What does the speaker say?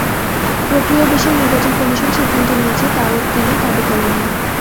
প্রক্রিয়ার বিষয়ে নির্বাচন কমিশন সিদ্ধান্ত নিয়েছে, তাও তিনি দাবি করেননি।